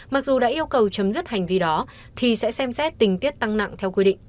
mặc dù đã yêu cầu chấm dứt hành vi đó thì sẽ xem xét tình tiết tăng nặng theo quy định